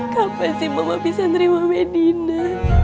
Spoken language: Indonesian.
kapan sih mama bisa nerima wedina